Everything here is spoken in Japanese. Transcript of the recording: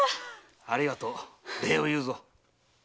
ありがとう礼を言うぞ。